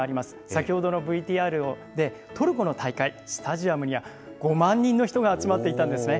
先ほどのＶＴＲで、トルコの大会、スタジアムには５万人もの人が集まっていたんですね。